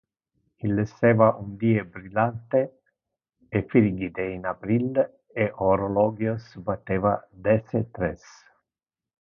Il esseva un die brillante e frigide in april e horologios batteva dece-tres.